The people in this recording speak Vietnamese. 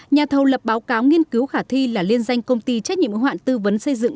nhà thầu lập báo cáo nghiên cứu khả thi là liên danh công ty trách nhiệm hoạn tư vấn xây dựng